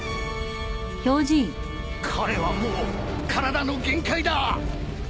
彼はもう体の限界だ。